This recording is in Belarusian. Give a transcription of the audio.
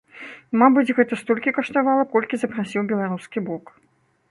Мабыць, гэта столькі каштавала, колькі запрасіў беларускі бок.